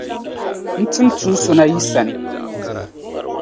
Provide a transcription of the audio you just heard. N tim Tuun’ so na yi sani.